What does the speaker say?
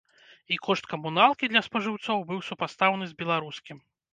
І кошт камуналкі для спажыўцоў быў супастаўны з беларускім.